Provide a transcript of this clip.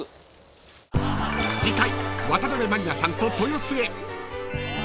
［次回］